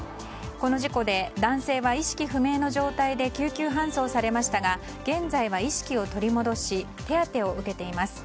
この事故で男性は意識不明の状態で救急搬送されましたが現在は意識を取り戻し手当てを受けています。